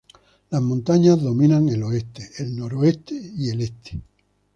Las montañas dominan el oeste, el noreste y el este.